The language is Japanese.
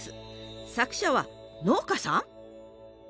作者は農家さん？